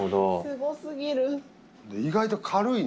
すごすぎる。